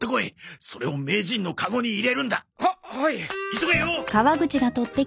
急げよ！